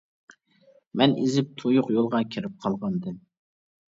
مەن ئېزىپ تۇيۇق يولغا كىرىپ قالغانىدىم.